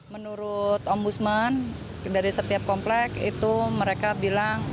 menurut ombudsman dari setiap komplek itu mereka bilang